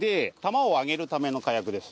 玉をあげるための火薬です